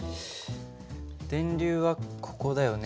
電流はここだよね。